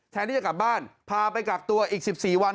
แทนที่จะกลับบ้านพาไปกักตัวอีก๑๔วัน